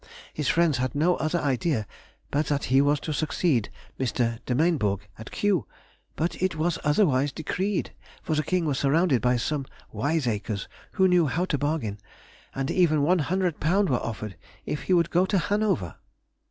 His friends had no other idea but that he was to succeed Mr. De Mainborg at Kew. But it was otherwise decreed, for the King was surrounded by some wiseacres who knew how to bargain, and even £100 were offered if he would go to Hanover!